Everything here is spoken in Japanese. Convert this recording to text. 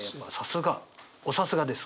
おさすがです